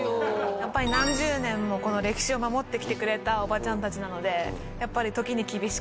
やっぱり何十年もこの歴史を守ってきてくれたおばちゃんたちなのでやっぱり時に厳しく。